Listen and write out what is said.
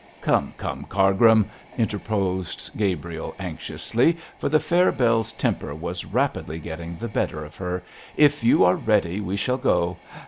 'Come, come, Cargrim,' interposed Gabriel, anxiously, for the fair Bell's temper was rapidly getting the better of her; 'if you are ready we shall go.